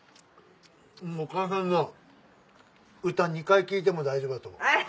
お母さんの歌２回聴いても大丈夫だと思う。